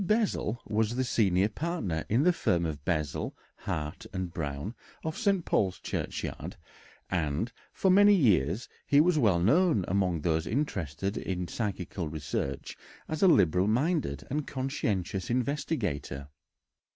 Bessel was the senior partner in the firm of Bessel, Hart, and Brown, of St. Paul's Churchyard, and for many years he was well known among those interested in psychical research as a liberal minded and conscientious investigator.